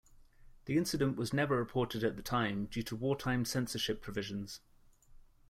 The incident was never reported at the time due to wartime censorship provisions.